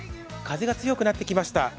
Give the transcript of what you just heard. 風が強くなってきました